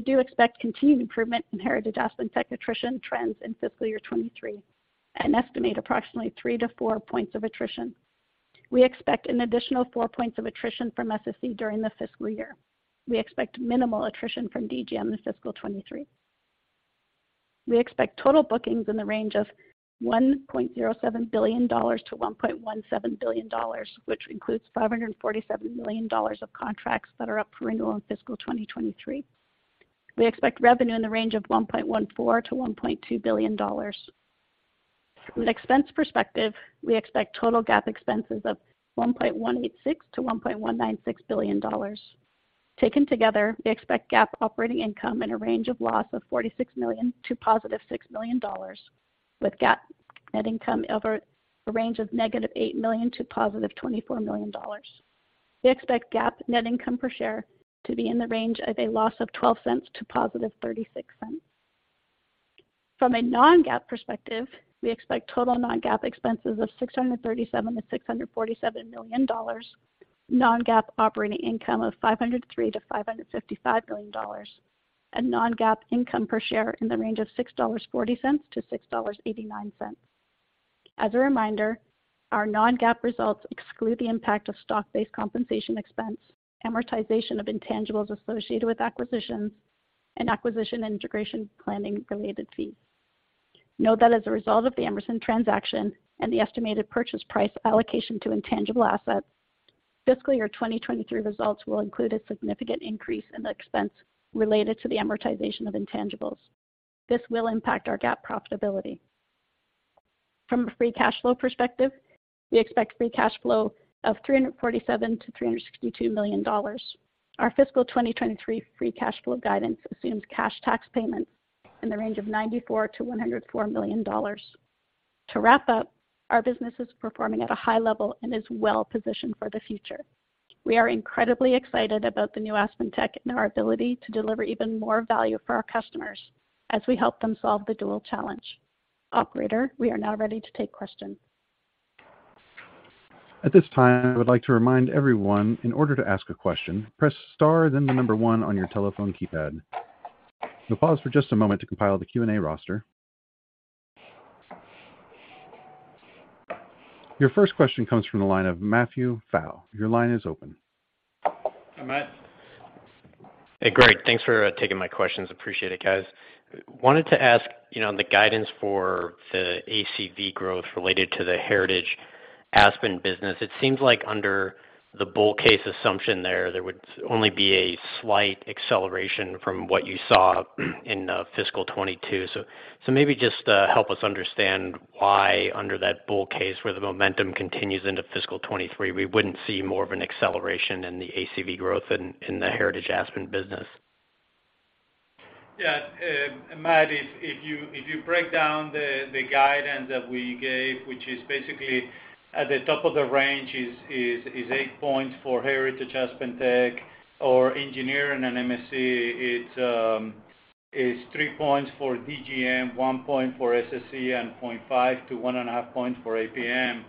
do expect continued improvement in Heritage AspenTech attrition trends in fiscal year 2023 and estimate approximately three to four points of attrition. We expect an additional four points of attrition from SSE during the fiscal year. We expect minimal attrition from DGM in fiscal 2023. We expect total bookings in the range of $1.07 billion-$1.17 billion, which includes $547 million of contracts that are up for renewal in fiscal 2023. We expect revenue in the range of $1.14 billion-$1.2 billion. From an expense perspective, we expect total GAAP expenses of $1.186 billion-$1.196 billion. Taken together, we expect GAAP operating income in a range of -$46 million-$6 million, with GAAP net income over a range of -$8 million-$24 million. We expect GAAP net income per share to be in the range of a loss of $0.12 to positive $0.36. From a non-GAAP perspective, we expect total non-GAAP expenses of $637 million-$647 million, non-GAAP operating income of $503 million-$555 million, and non-GAAP income per share in the range of $6.40-$6.89. As a reminder, our non-GAAP results exclude the impact of stock-based compensation expense, amortization of intangibles associated with acquisitions, and acquisition and integration planning related fees. Know that as a result of the Emerson transaction and the estimated purchase price allocation to intangible assets, fiscal year 2023 results will include a significant increase in the expense related to the amortization of intangibles. This will impact our GAAP profitability. From a free cash flow perspective, we expect free cash flow of $347 million-$362 million. Our fiscal 2023 free cash flow guidance assumes cash tax payments in the range of $94 million-$104 million. To wrap up, our business is performing at a high level and is well positioned for the future. We are incredibly excited about the new AspenTech and our ability to deliver even more value for our customers as we help them solve the dual challenge. Operator, we are now ready to take questions. At this time, I would like to remind everyone, in order to ask a question, press star then the number one on your telephone keypad. We'll pause for just a moment to compile the Q&A roster. Your first question comes from the line of Matthew Pfau. Your line is open. Hi, Matt. Hey, great. Thanks for taking my questions. Appreciate it, guys. Wanted to ask, you know, the guidance for the ACV growth related to the Heritage AspenTech business. It seems like under the bull case assumption there would only be a slight acceleration from what you saw in fiscal 2022. Maybe just help us understand why under that bull case where the momentum continues into fiscal 2023, we wouldn't see more of an acceleration in the ACV growth in the Heritage AspenTech business. Matt, if you break down the guidance that we gave, which is basically 8% at the top of the range for Heritage AspenTech or engineering and MSC. It's 3% for DGM, 1% for SSE, and 0.5%-1.5% for APM.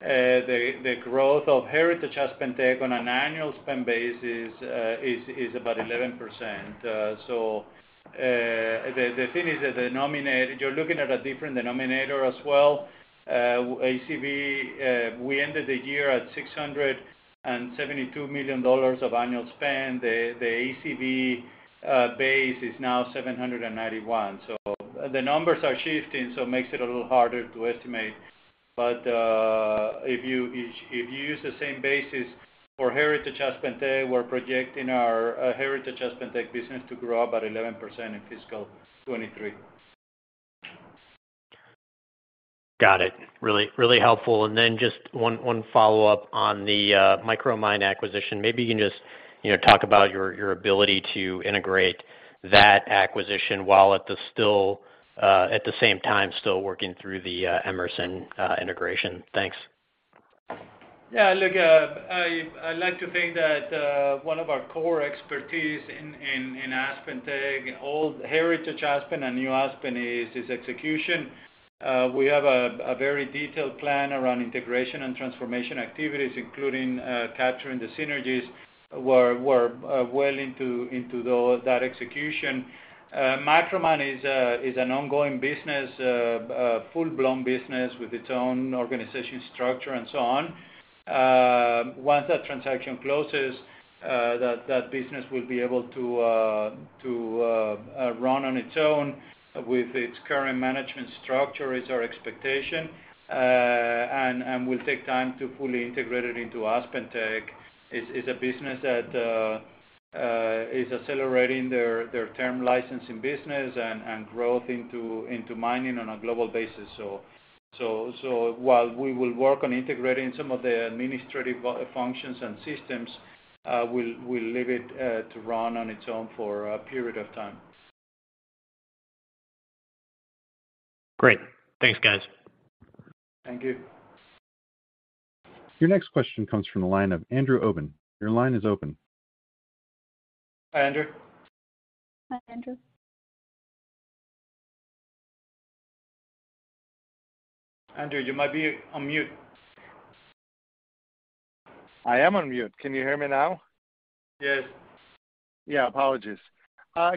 The growth of Heritage AspenTech on an annual spend base is about 11%. The thing is the denominator, you're looking at a different denominator as well. ACV, we ended the year at $672 million of annual spend. The ACV base is now $791 million. The numbers are shifting, so it makes it a little harder to estimate. If you use the same basis for Heritage AspenTech, we're projecting our Heritage AspenTech business to grow up at 11% in fiscal 2023. Got it. Really, really helpful. Just one follow-up on the Micromine acquisition. Maybe you can just, you know, talk about your ability to integrate that acquisition while at the same time still working through the Emerson integration. Thanks. Yeah, look, I like to think that one of our core expertise in AspenTech, old Heritage AspenTech and New Aspen is execution. We have a very detailed plan around integration and transformation activities, including capturing the synergies. We're well into that execution. Micromine is an ongoing business, a full-blown business with its own organization structure and so on. Once that transaction closes, that business will be able to run on its own with its current management structure is our expectation, and we'll take time to fully integrate it into AspenTech. It's a business that is accelerating their term licensing business and growth into mining on a global basis. While we will work on integrating some of the administrative functions and systems, we'll leave it to run on its own for a period of time. Great. Thanks, guys. Thank you. Your next question comes from the line of Andrew Obin. Your line is open. Hi, Andrew. Hi, Andrew. Andrew, you might be on mute. I am on mute. Can you hear me now? Yes. Yeah. Apologies.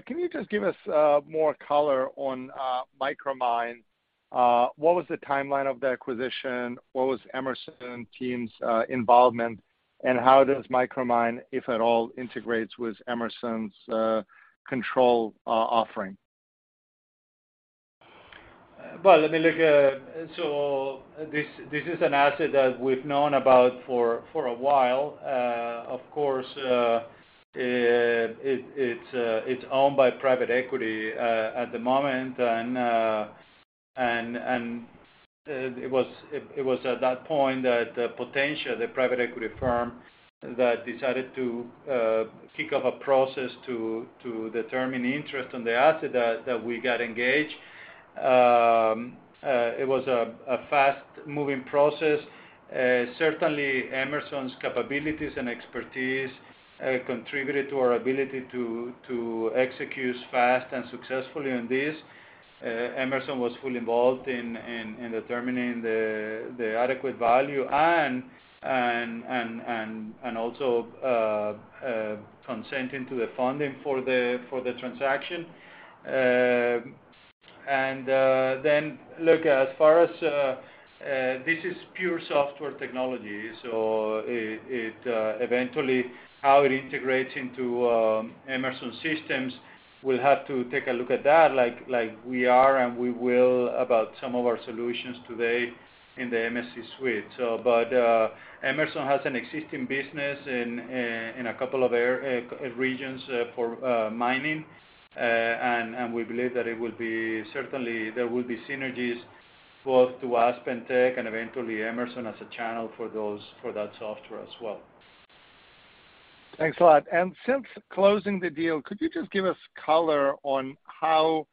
Can you just give us more color on Micromine? What was the timeline of the acquisition? What was Emerson team's involvement? How does Micromine, if at all, integrate with Emerson's control offering? Well, let me look. So this is an asset that we've known about for a while. Of course, it's owned by private equity at the moment. It was at that point that Potentia, the private equity firm, decided to kick off a process to determine interest on the asset that we got engaged. It was a fast-moving process. Certainly Emerson's capabilities and expertise contributed to our ability to execute fast and successfully on this. Emerson was fully involved in determining the adequate value and also consenting to the funding for the transaction. Look, as far as this is pure software technology, so it eventually how it integrates into Emerson systems, we'll have to take a look at that like we are and we will about some of our solutions today in the MSC suite. Emerson has an existing business in a couple of regions for mining. We believe that it will be certainly there will be synergies both to AspenTech and eventually Emerson as a channel for that software as well. Thanks a lot. Since closing the deal, could you just give us color on how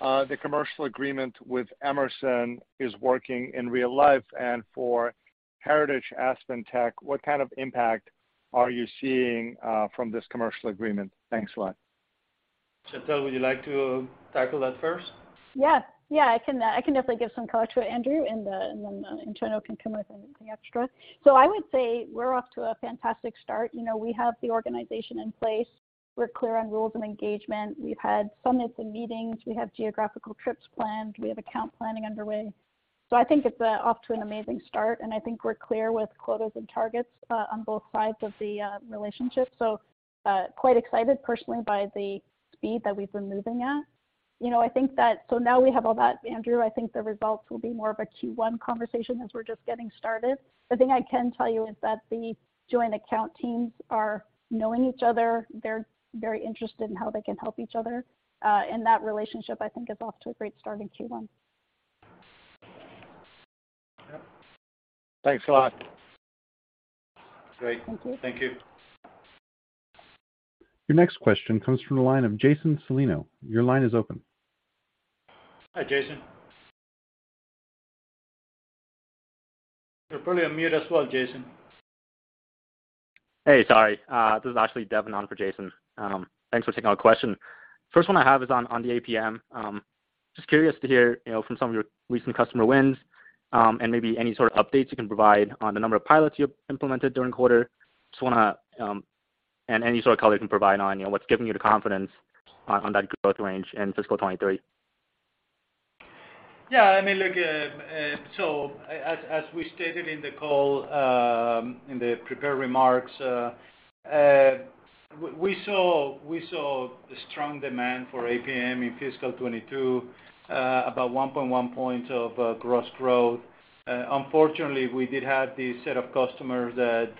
the commercial agreement with Emerson is working in real life and for Heritage AspenTech, what kind of impact are you seeing from this commercial agreement? Thanks a lot. Chantelle, would you like to tackle that first? Yes. Yeah, I can definitely give some color to it, Andrew, and then Antonio can come with anything extra. I would say we're off to a fantastic start. You know, we have the organization in place. We're clear on rules and engagement. We've had summits and meetings. We have geographical trips planned. We have account planning underway. I think it's off to an amazing start, and I think we're clear with quotas and targets on both sides of the relationship. Quite excited personally by the speed that we've been moving at. You know, I think now we have all that, Andrew. I think the results will be more of a Q1 conversation as we're just getting started. The thing I can tell you is that the joint account teams are knowing each other. They're very interested in how they can help each other. That relationship, I think is off to a great start in Q1. Yeah. Thanks a lot. Great. Thank you. Thank you. Your next question comes from the line of Jason Kupferberg. Your line is open. Hi, Jason. You're probably on mute as well, Jason. Hey, sorry. This is actually Devin on for Jason. Thanks for taking our question. First one I have is on the APM. Just curious to hear, you know, from some of your recent customer wins, and maybe any sort of updates you can provide on the number of pilots you implemented during the quarter. Any sort of color you can provide on, you know, what's giving you the confidence on that growth range in fiscal 2023. Yeah, I mean, look, as we stated in the call, in the prepared remarks, we saw strong demand for APM in fiscal 2022, about 1.1% gross growth. Unfortunately, we did have the set of customers that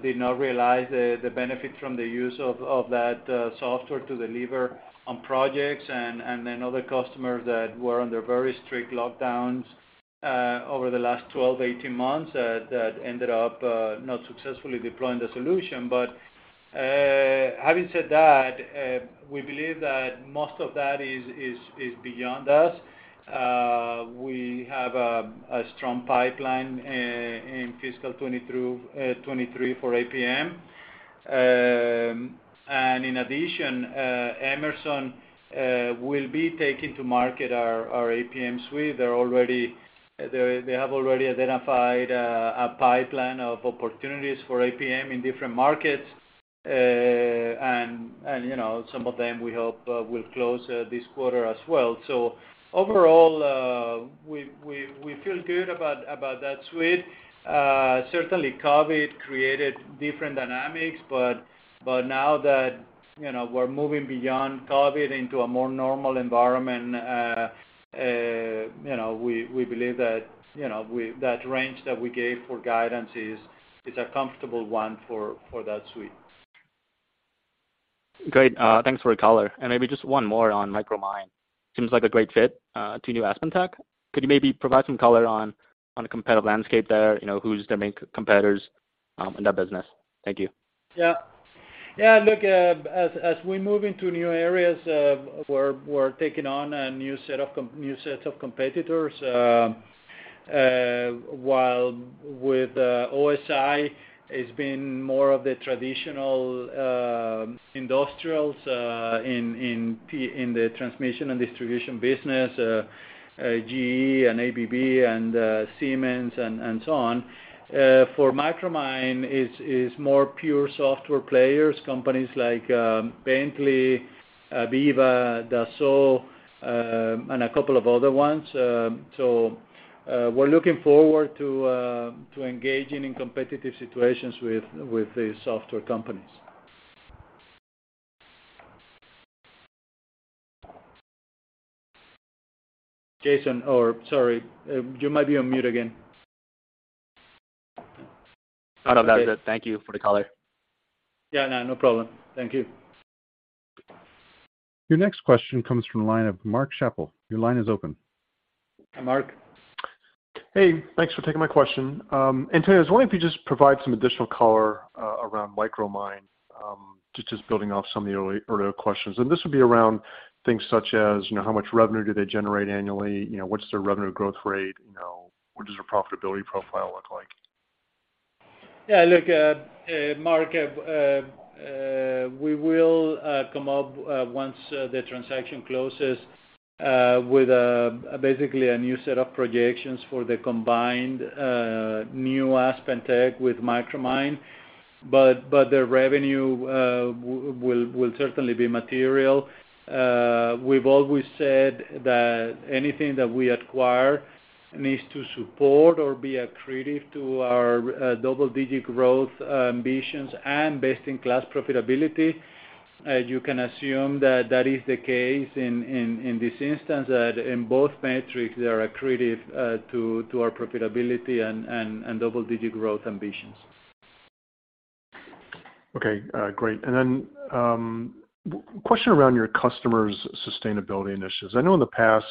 did not realize the benefit from the use of that software to deliver on projects, and then other customers that were under very strict lockdowns over the last 12-18 months that ended up not successfully deploying the solution. Having said that, we believe that most of that is beyond us. We have a strong pipeline in fiscal 2023 for APM. In addition, Emerson will be taking to market our APM suite. They have already identified a pipeline of opportunities for APM in different markets. you know, some of them we hope will close this quarter as well. Overall, we feel good about that suite. Certainly COVID created different dynamics, but now that, you know, we're moving beyond COVID into a more normal environment, you know, we believe that that range that we gave for guidance is a comfortable one for that suite. Great. Thanks for the color. Maybe just one more on Micromine. Seems like a great fit to new AspenTech. Could you maybe provide some color on a competitive landscape there? You know, who's their main competitors in that business? Thank you. Look, as we move into new areas, we're taking on a new set of competitors, while with OSI, it's been more of the traditional industrials in the transmission and distribution business, GE and ABB and Siemens and so on. For Micromine, it's more pure software players, companies like Bentley, AVEVA, Dassault, and a couple of other ones. We're looking forward to engaging in competitive situations with the software companies. Jason, or sorry, you might be on mute again. No, that's it. Thank you for the color. Yeah, no problem. Thank you. Your next question comes from the line of Mark Schappel. Your line is open. Mark? Hey, thanks for taking my question. Antonio, I was wondering if you could just provide some additional color around Micromine. Just building off some of the earlier questions. This would be around things such as, you know, how much revenue do they generate annually, you know, what's their revenue growth rate, you know, what does their profitability profile look like? Yeah, look, Mark, we will come up once the transaction closes with basically a new set of projections for the combined new AspenTech with Micromine. Their revenue will certainly be material. We've always said that anything that we acquire needs to support or be accretive to our double-digit growth ambitions and best-in-class profitability. You can assume that is the case in this instance. That in both metrics, they are accretive to our profitability and double-digit growth ambitions. Okay, great. Question around your customers' sustainability initiatives. I know in the past,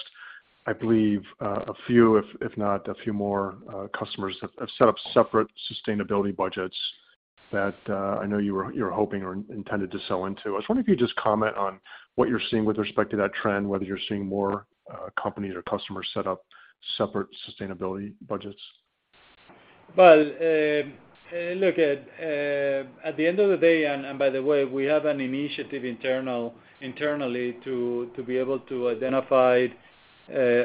I believe, a few, if not a few more, customers have set up separate sustainability budgets that, I know you were hoping or intended to sell into. I was wondering if you could just comment on what you're seeing with respect to that trend, whether you're seeing more companies or customers set up separate sustainability budgets. Well, look, at the end of the day. By the way, we have an initiative internally to be able to identify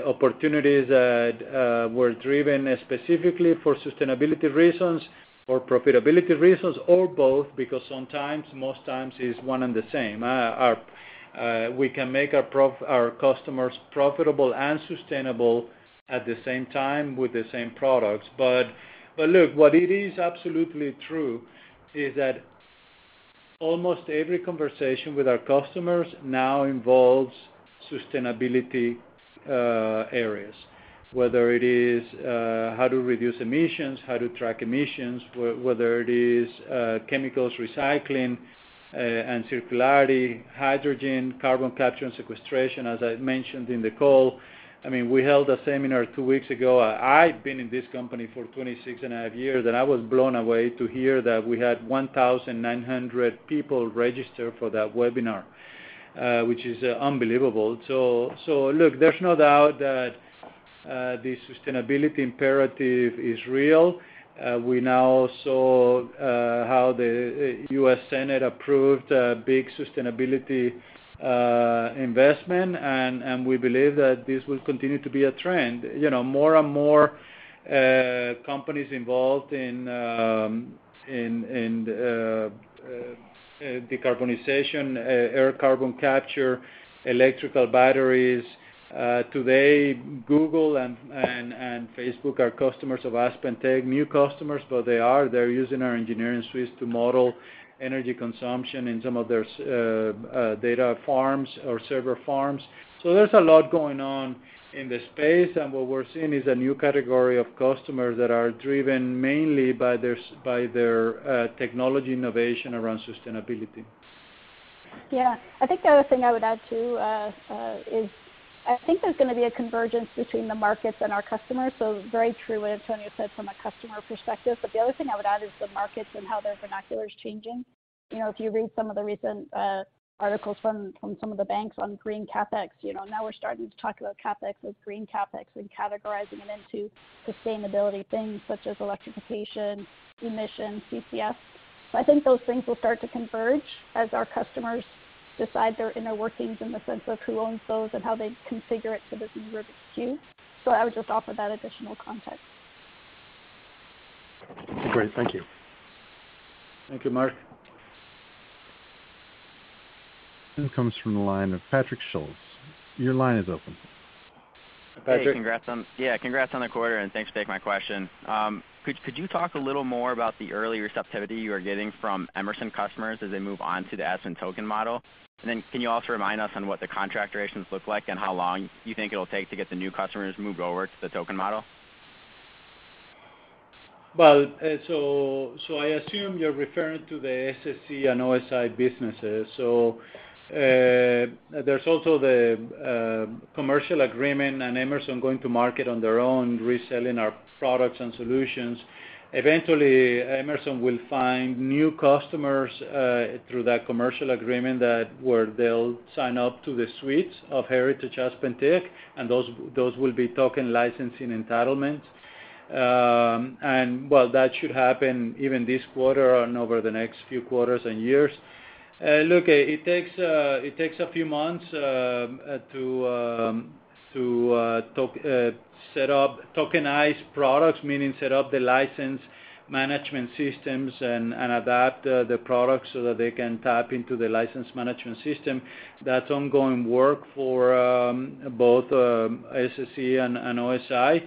opportunities that were driven specifically for sustainability reasons or profitability reasons or both, because sometimes, most times it's one and the same. We can make our customers profitable and sustainable at the same time with the same products. Look, what is absolutely true is that almost every conversation with our customers now involves sustainability areas, whether it is how to reduce emissions, how to track emissions, whether it is chemicals recycling, and circularity, hydrogen, carbon capture and sequestration, as I mentioned in the call. I mean, we held a seminar two weeks ago. I've been in this company for 26.5 years, and I was blown away to hear that we had 1,900 people register for that webinar, which is unbelievable. Look, there's no doubt that the sustainability imperative is real. We now saw how the U.S. Senate approved a big sustainability investment. We believe that this will continue to be a trend. You know, more and more companies involved in decarbonization, air carbon capture, electrical batteries. Today, Google and Facebook are customers of AspenTech, new customers, but they are. They're using our engineering suites to model energy consumption in some of their data farms or server farms. There's a lot going on in the space. What we're seeing is a new category of customers that are driven mainly by their technology innovation around sustainability. Yeah. I think the other thing I would add, too, is I think there's gonna be a convergence between the markets and our customers. Very true what Antonio said from a customer perspective, but the other thing I would add is the markets and how their vernacular is changing. You know, if you read some of the recent articles from some of the banks on Green CapEx, you know, now we're starting to talk about CapEx as Green CapEx and categorizing them into sustainability things such as electrification, emissions, CCS. I think those things will start to converge as our customers decide their inner workings in the sense of who owns those and how they configure it for their use. I would just offer that additional context. Great. Thank you. Thank you, Mark. Comes from the line of Patrick Schulz. Your line is open. Patrick? Hey, congrats on the quarter, and thanks for taking my question. Could you talk a little more about the early receptivity you are getting from Emerson customers as they move on to the Aspen token model? Can you also remind us on what the contract durations look like and how long you think it'll take to get the new customers moved over to the token model? I assume you're referring to the SSE and OSI businesses. There's also the commercial agreement and Emerson going to market on their own, reselling our products and solutions. Eventually, Emerson will find new customers through that commercial agreement that where they'll sign up to the suites of Heritage AspenTech, and those will be token licensing entitlements. That should happen even this quarter and over the next few quarters and years. It takes a few months to set up tokenized products, meaning set up the license management systems and adapt the products so that they can tap into the license management system. That's ongoing work for both SSE and OSI.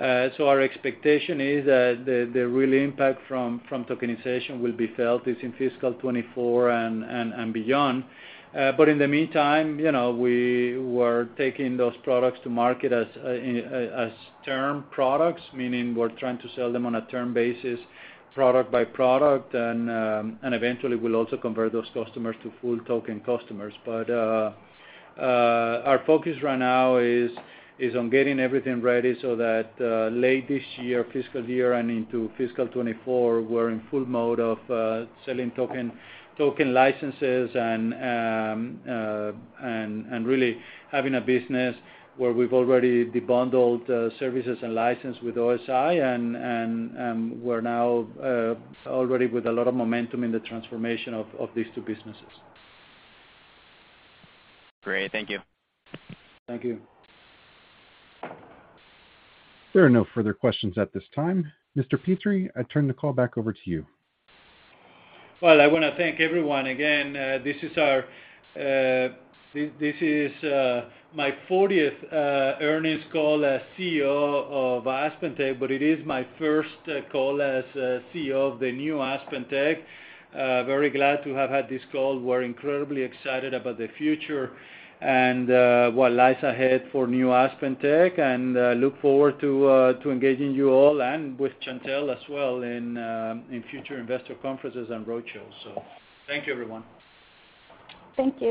Our expectation is that the real impact from tokenization will be felt in fiscal 2024 and beyond. In the meantime, you know, we were taking those products to market as term products, meaning we're trying to sell them on a term basis, product by product, and eventually we'll also convert those customers to full token customers. Our focus right now is on getting everything ready so that late this fiscal year and into fiscal 2024, we're in full mode of selling token licenses and really having a business where we've already unbundled services and license with OSI and we're now already with a lot of momentum in the transformation of these two businesses. Great. Thank you. Thank you. There are no further questions at this time. Mr. Pietri, I turn the call back over to you. Well, I wanna thank everyone again. This is my fortieth earnings call as CEO of AspenTech, but it is my first call as CEO of the new AspenTech. Very glad to have had this call. We're incredibly excited about the future and what lies ahead for new AspenTech, and look forward to engaging you all and with Chantelle as well in future investor conferences and roadshows. Thank you, everyone. Thank you.